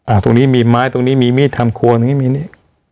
ตรงนี้มีไม้ตรงนี้มีมีดทำครัวตรงนี้มีนี่